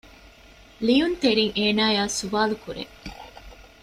ލިޔުންތެރީން އޭނާއާ ސުވާލުކުރޭ